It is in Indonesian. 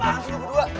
bagaimana aja lo berdua